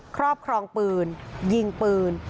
ครอบครองปืนยิงปืน